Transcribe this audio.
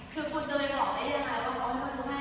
คือคุณจะไปบอกให้ยังไงว่าเขามาดูให้